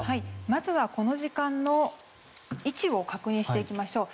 まずはこの時間の位置を確認していきましょう。